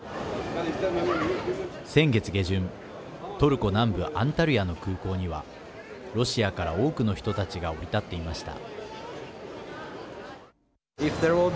先月下旬トルコ南部アンタルヤの空港にはロシアから多くの人たちが降り立っていました。